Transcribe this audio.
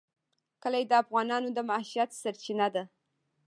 کلي د افغانانو د معیشت سرچینه ده.